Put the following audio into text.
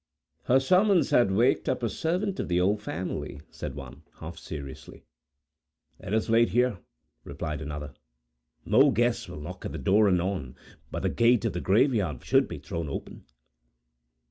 "Her summons has waked up a servant of the old family," said one, half seriously. "Let us wait here," replied another. "More guests will knock at the door, anon. But the gate of the graveyard should be thrown open!"